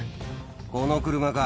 この車か。